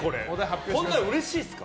こんなん、うれしいですか？